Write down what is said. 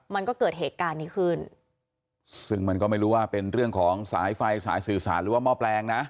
มันก็เกิดเหตุการณ์นี้ขึ้นซึ่งมันก็ไม่รู้ว่าเป็นเรื่องของสายไฟสายสื่อสารหรือว่าหม้อแปลงนะ